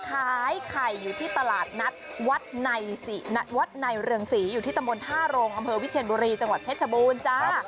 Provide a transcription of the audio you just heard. ขายไข่อยู่ที่ตลาดนัดวัดในวัดในเรืองศรีอยู่ที่ตำบลท่าโรงอำเภอวิเชียนบุรีจังหวัดเพชรบูรณ์จ้า